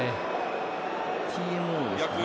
ＴＭＯですか。